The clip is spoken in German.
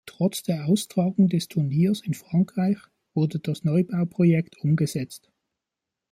Trotz der Austragung des Turniers in Frankreich wurde das Neubauprojekt umgesetzt.